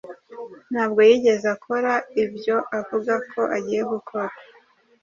Ntabwo yigeze akora ibyo avuga ko agiye gukora.